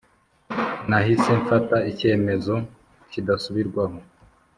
nahise mfata icyemezo kidasubirwaho.